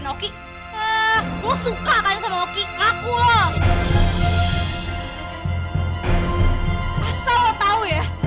ya kutunya pergi